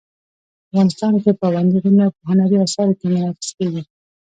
افغانستان کې پابندي غرونه په هنري اثارو کې منعکس کېږي.